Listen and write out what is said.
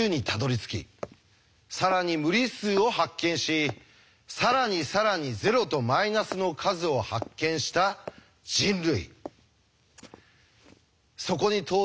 更に無理数を発見し更に更に０とマイナスの数を発見した人類。